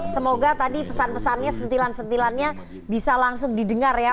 semoga tadi pesan pesannya sentilan sentilannya bisa langsung didengar ya